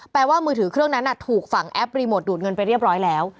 ว่ามือถือเครื่องนั้นถูกฝั่งแอปรีโมทดูดเงินไปเรียบร้อยแล้ว